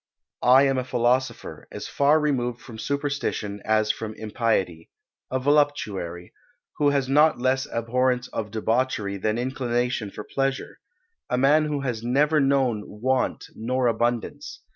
"I am a philosopher, as far removed from superstition as from impiety; a voluptuary, who has not less abhorrence of debauchery than inclination for pleasure; a man who has never known want nor abundance.